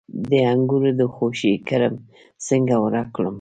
د انګورو د خوشې کرم څنګه ورک کړم؟